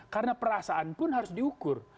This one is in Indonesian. karena perasaan pun harus diukur